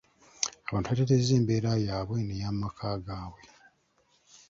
Abantu batereezezza embeera yaabwe n'ey'amaka gaabwe.